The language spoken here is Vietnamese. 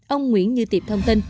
ông nguyễn như tiệp thông tin